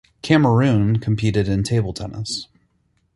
Cameroon competed in table tennis.